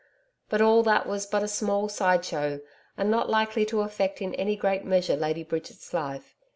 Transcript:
But all that was but a small side show, and not likely to affect in any great measure Lady Bridget's life.